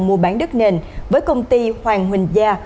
mua bán đất nền với công ty hoàng huỳnh gia